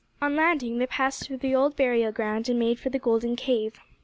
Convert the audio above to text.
On landing they passed through the old burial ground and made for the Golden Cave.